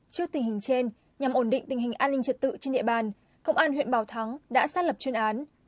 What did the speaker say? trước tình hình trên nhằm ổn định tình hình an ninh trật tự trên địa bàn công an huyện bảo thắng đã xác lập chuyên án